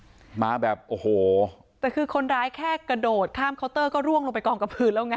มาแบบโอ้โหแต่คือคนร้ายแค่กระโดดข้ามเคาน์เตอร์ก็ร่วงลงไปกองกับพื้นแล้วไง